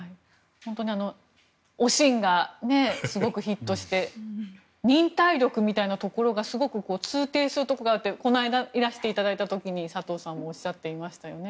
本当に「おしん」がすごくヒットして忍耐力みたいなところがすごく通底するところがあるとこの間いらしていただいた時に佐藤さんもおっしゃっていましたよね。